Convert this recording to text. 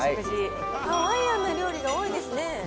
ハワイアンな料理が多いですね。